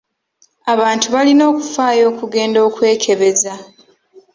Abantu balina okufaayo okugenda okwekebeza.